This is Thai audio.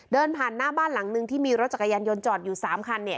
เดินผ่านหน้าบ้านหลังนึงที่มีรถจักรยานยนต์จอดอยู่๓คันเนี่ย